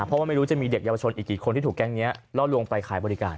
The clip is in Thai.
เพราะว่าไม่รู้จะมีเด็กเยาวชนอีกกี่คนที่ถูกแก๊งนี้ล่อลวงไปขายบริการ